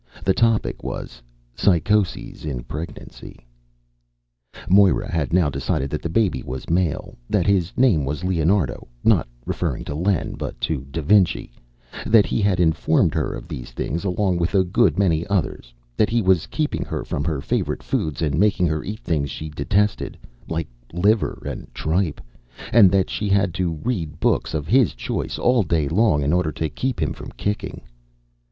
The topic was "Psychoses in Pregnancy." Moira had now decided that the baby was male, that his name was Leonardo (not referring to Len, but to da Vinci), that he had informed her of these things along with a good many others, that he was keeping her from her favorite foods and making her eat things she detested, like liver and tripe, and that she had to read books of his choice all day long in order to keep him from kicking.